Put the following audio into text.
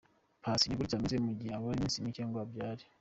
Passy ni gutya ameze mu gihe habura iminsi mike ngo abyare.